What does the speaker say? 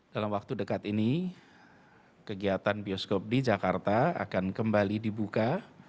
dalam waktu dekat ini kegiatan bioskop di jakarta akan kembali dibuka